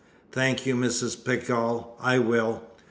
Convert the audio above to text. "Thank you, Mrs. Pegall, I will."